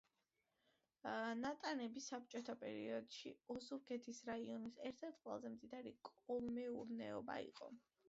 ნატანები საბჭოთა პერიოდში ოზურგეთის რაიონის ერთ-ერთი ყველაზე მდიდარი კოლმეურნეობა იყო.